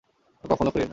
আমি কখনই খুলি না।